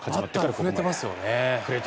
バットは振れてますよね。